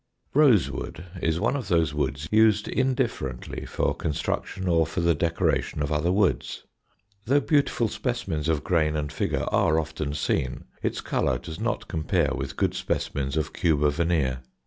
Rosewood is one of those woods used indifferently for construction or for the decoration of other woods. Though beautiful specimens of grain and figure are often seen, its colour does not compare with good specimens of Cuba veneer.